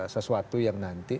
sesuatu yang nanti